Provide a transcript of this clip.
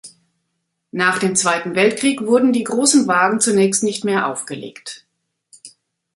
Nach dem Zweiten Weltkrieg wurden die großen Wagen zunächst nicht mehr aufgelegt.